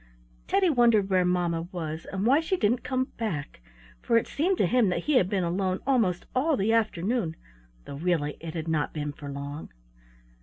Teddy wondered where mamma was, and why she didn't come back, for it seemed to him that he had been alone almost all the afternoon, though really it had not been for long.